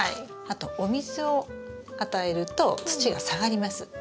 あとお水を与えると土が下がります。